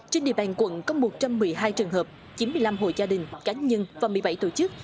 trên địa bàn quận có một trăm một mươi hai trường hợp chín mươi năm hội gia đình cá nhân và một mươi bảy tổ chức